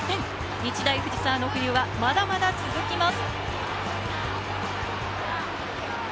日大藤沢の冬はまだまだ続きます。